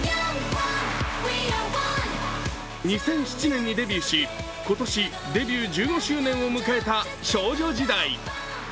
２００７年にデビューし今年デビュー１５周年を迎えた少女時代。